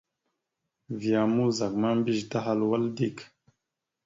Vya mouzak ma mbiyez tahal wal dik.